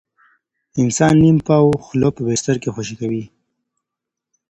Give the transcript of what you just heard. انسان نیم پاوه خوله په بستر کې خوشې کوي.